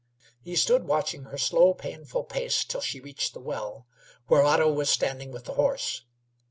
He stood watching her slow, painful pace till she reached the well, where Otto was standing with the horse.